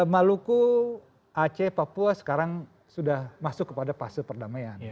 maluku aceh papua sekarang sudah masuk kepada fase perdamaian